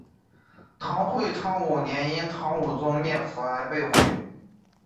唐会昌五年因唐武宗灭佛而被毁。